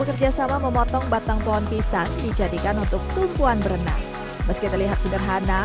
kerjasama memotong batang pohon pisang dijadikan untuk tumpuan berenang meski terlihat sederhana